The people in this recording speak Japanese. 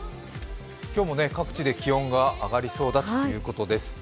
今日も各地で気温が上がりそうだということです。